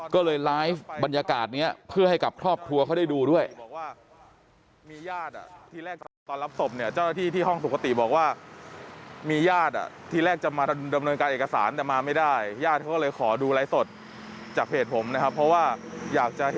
ก็เลยไลฟ์บรรยากาศนี้เพื่อให้กับครอบครัวเขาได้ดูด้วย